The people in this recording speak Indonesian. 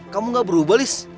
kamu gak berubah liz